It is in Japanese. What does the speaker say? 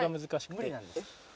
無理なんですね。